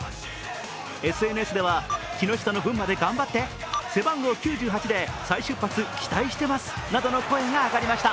ＳＮＳでは、木下の分まで頑張って、背番号９８で再出発、期待してますなどの声が上がりました。